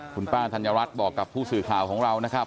คุณป้าธัญรัฐบอกกับผู้สื่อข่าวของเรานะครับ